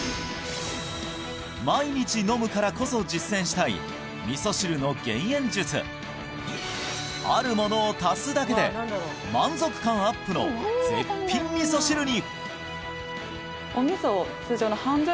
毎日飲むからこそ実践したい味噌汁の減塩術あるものを足すだけで満足感アップの絶品味噌汁に！